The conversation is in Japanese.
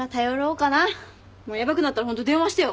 ヤバくなったらホント電話してよ？